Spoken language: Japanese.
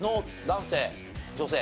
男性。